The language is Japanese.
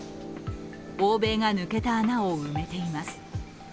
欧米が抜けた穴を埋めています。